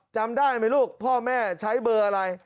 จำได้ไหมลูกพ่อแม่ใช้เบอร์อะไร